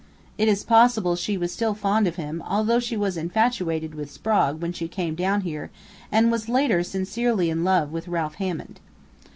It is possible she was still fond of him, although she was infatuated with Sprague when she came down here and was later sincerely in love with Ralph Hammond.